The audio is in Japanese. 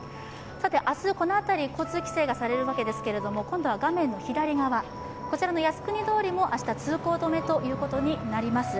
明日、この辺り交通規制がされるわけですけれども、今度は画面の左側、こちらの靖国通りも明日通行止めということになります。